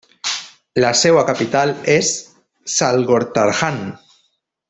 La seva capital és Salgótarján.